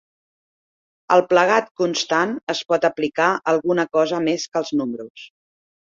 El plegat constant es pot aplicar a alguna cosa més que els números.